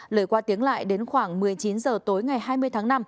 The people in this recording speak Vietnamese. lời qua tiếng lại đến khoảng một mươi chín h tối ngày hai mươi tháng năm